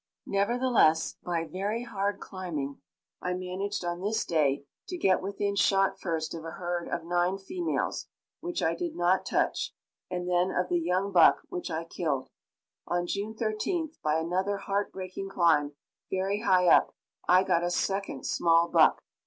Nevertheless, by very hard climbing, I managed on this day to get within shot first of a herd of nine females, which I did not touch, and then of the young buck, which I killed. On June 13th, by another heart breaking climb, very high up, I got a second small buck.